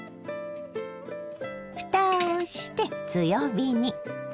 ふたをして強火に。